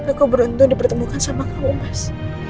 aku beruntung dipertemukan sama kamu mas